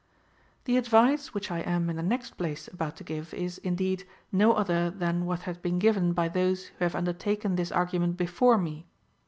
8. The advice which I am, in the next place, about to give, is, indeed, no other than what hath been given by those who have undertaken this argument before me.